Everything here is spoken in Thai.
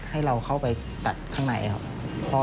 ให้เราเข้าไปตัดข้างในครับ